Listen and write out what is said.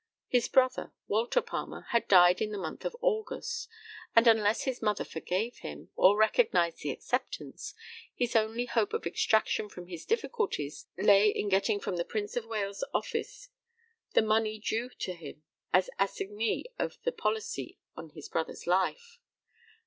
His brother, Walter Palmer, had died in the month of August; and, unless his mother forgave him, or recognized the acceptance, his only hope of extraction from his difficulties lay in getting from the Prince of Wales office the money due to him as assignee of the policy on his brother's life.